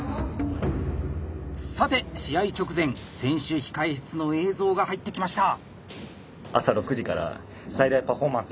さて試合直前選手控え室の映像が入ってきました。